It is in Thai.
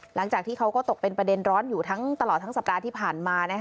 หลังจากที่เขาก็ตกเป็นประเด็นร้อนอยู่ตลอดทั้งสัปดาห์ที่ผ่านมา